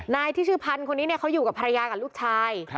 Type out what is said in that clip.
นายที่ชื่อพันธุ์คนนี้เขาอยู่กับภรรยากับลูกชาย